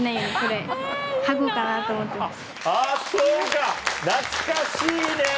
あぁそうか懐かしいね！